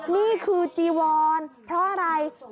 นี่คือจีวอนเพราะอะไร